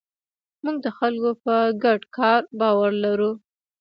موږ د خلکو په ګډ کار باور لرو.